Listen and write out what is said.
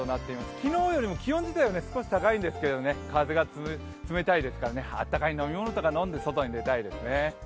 昨日よりも気温自体は少し高いんですけど、風が冷たいですからね、あったかい飲み物とか飲んで外に出たいですね。